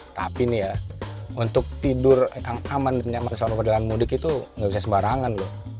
tapi nih ya untuk tidur yang aman dan nyaman selama perjalanan mudik itu nggak bisa sembarangan loh